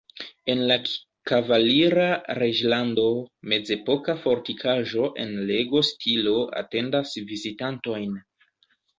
En la "kavalira reĝlando" mezepoka fortikaĵo en Lego-stilo atendas vizitantojn.